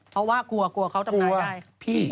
เพราะว่ากลัวกลัวเขาทำงานได้พี่